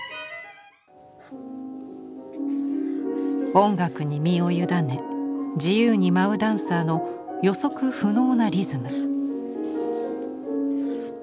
音楽に身を委ね自由に舞うダンサーの予測不能なリズム。